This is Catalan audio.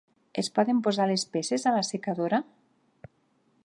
Es poden posar les peces a l'assecadora?